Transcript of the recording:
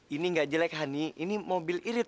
ini gak jelek hani ini mobil irit